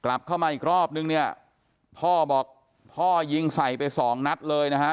กลับเข้ามาอีกรอบนึงเนี่ยพ่อบอกพ่อยิงใส่ไปสองนัดเลยนะฮะ